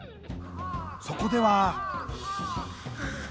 そこでは。